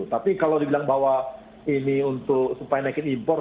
tapi kalau dibilang bahwa ini untuk supaya naikin impor